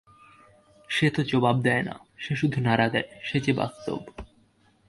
সে তো জবাব দেয় না, সে শুধু নাড়া দেয়–সে যে বাস্তব।